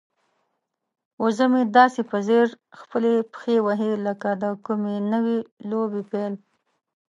وزه مې داسې په ځیر خپلې پښې وهي لکه د کومې نوې لوبې پیل.